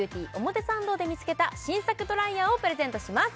表参道で見つけた新作ドライヤーをプレゼントします